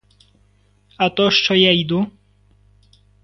А то, що я йду?